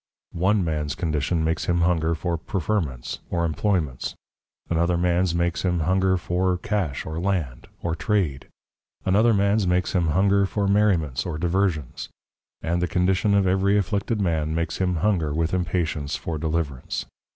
One mans Condition makes him Hunger for Preferments, or Employments, another mans makes him Hunger for Cash or Land, or Trade; another mans makes him Hunger for Merriments, or Diversions: And the Condition of every Afflicted Man, makes him Hunger with Impatience for Deliverance.